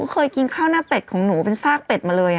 เคยกินข้าวหน้าเป็ดของหนูเป็นซากเป็ดมาเลย